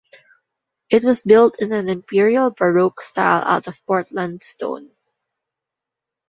It was built in an Imperial Baroque style out of Portland Stone.